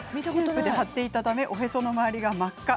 貼っていたためおへその周りが真っ赤。